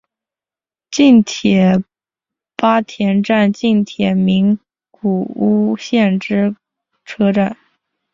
近铁八田站近铁名古屋线之车站。